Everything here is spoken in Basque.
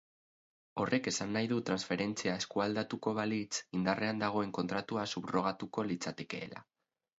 Horrek esan nahi du transferentzia eskualdatuko balitz, indarrean dagoen kontratua subrogatuko litzatekeela.